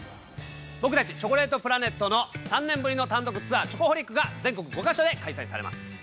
僕たちチョコレートプラネットの３年ぶりの単独ツアー「ＣＨＯＣＯＨＯＬＩＣ」が全国５か所で開催されます。